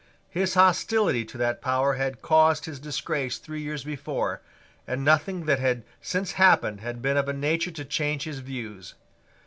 His hostility to that power had caused his disgrace three years before; and nothing that had since happened had been of a nature to change his views.